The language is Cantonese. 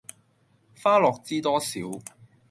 花落知多少